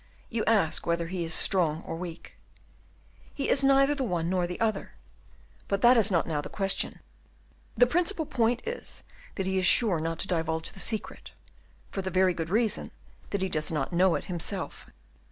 You ask whether he is strong or weak. He is neither the one nor the other; but that is not now the question. The principal point is, that he is sure not to divulge the secret, for the very good reason that he does not know it himself."